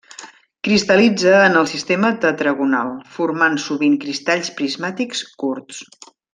Cristal·litza en el sistema tetragonal, formant sovint cristalls prismàtics curts.